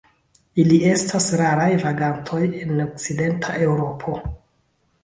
Ili estas raraj vagantoj en Okcidenta Eŭropo.